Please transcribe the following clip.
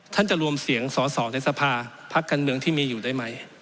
ท่านจะรวมเสียงสอดเสริมในสภาพพักกันเมืองที่มีอยู่ได้ไหม